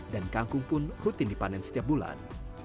dan kangkung pun rutin dipanen setiap bulan